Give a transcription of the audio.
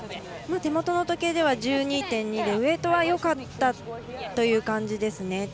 手元の時計では１２．２でウエイトはよかったという感じですね。